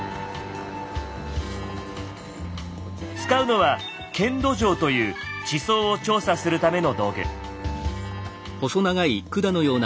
使うのは「検土杖」という地層を調査するための道具。